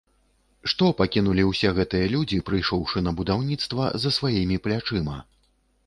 Што пакінулі ўсе гэтыя людзі, прыйшоўшы на будаўніцтва, за сваімі плячыма?